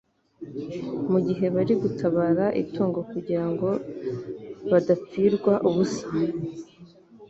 mu gihe bari gutabara itungo kugira ngo badapfirwa ubusa.